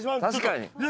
確かに。